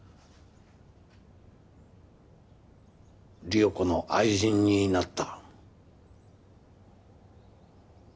理代子の愛人になった。